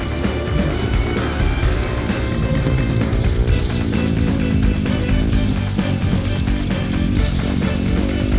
tersentakiknya khadin dash elements